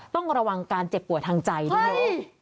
ต้องระวังการเจ็บป่วยทางใจด้วย